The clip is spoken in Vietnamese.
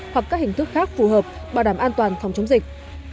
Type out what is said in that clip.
hoặc các hình thức khác phù hợp bảo đảm an toàn phòng chống dịch